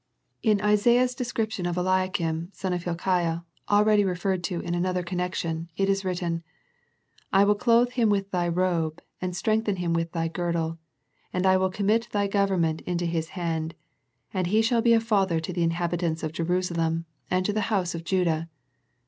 In Isaiah's description of Eliakim The Philadelphia Letter 163 the son of Hilkiah, already referred to in another connection, it is written, " I will clothe him with Thy robe, and strengthen him with Thy girdle, and I will commit Thy govern ment into his hand : and he shall be a father to the inhabitants of Jerusalem, and to the house of Judah."